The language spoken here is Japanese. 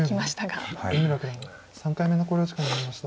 三村九段３回目の考慮時間に入りました。